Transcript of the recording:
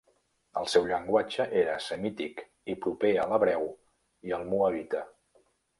El seu llenguatge era semític i proper a l'hebreu i al moabita.